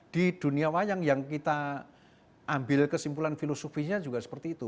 di dunia wayang yang kita ambil kesimpulan filosofinya juga seperti itu